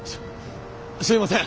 すすいません。